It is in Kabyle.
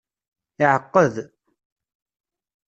Iɛeqqeḍ.